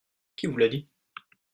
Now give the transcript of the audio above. Qui vous l'a dit ?